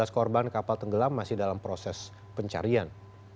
tiga belas korban kapal tenggelam masih dalam proses pencarian